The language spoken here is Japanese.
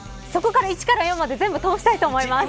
＃１から＃４まで全部通したいと思います。